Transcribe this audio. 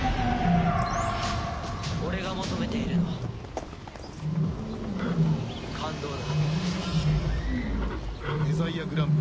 俺が求めているのは感動だ。